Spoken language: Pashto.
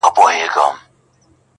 جنازې دي چي ډېرېږي د خوارانو.!